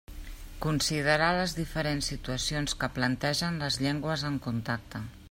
Considerar les diferents situacions que plantegen les llengües en contacte.